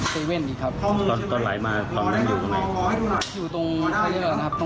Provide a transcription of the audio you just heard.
ก่อนหน้านั้นเขามาหาเรื่องเรา